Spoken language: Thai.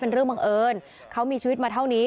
เรื่องบังเอิญเขามีชีวิตมาเท่านี้